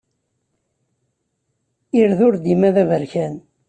Ireg ur dima d aberkan.